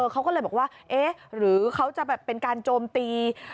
เขาก็เลยบอกว่าเอ๊ะหรือเขาจะแบบเป็นการโจมตี